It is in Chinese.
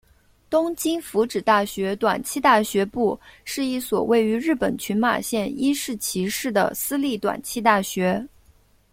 东京福祉大学短期大学部是一所位于日本群马县伊势崎市的私立短期大学。